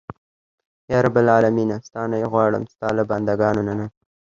یا رب العالمینه ستا نه یې غواړم ستا له بنده ګانو نه.